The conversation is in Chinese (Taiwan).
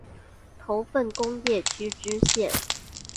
頭份工業區支線